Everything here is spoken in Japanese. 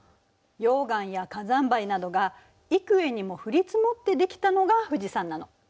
溶岩や火山灰などが幾重にも降り積もって出来たのが富士山なの。